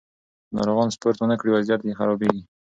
که ناروغان سپورت ونه کړي، وضعیت یې خرابېږي.